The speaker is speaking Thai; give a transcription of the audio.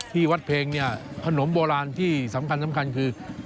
ที่วัดเพลงเนี่ยขนมโบราณที่สำคัญคือ